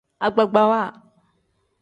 Agbagbawa.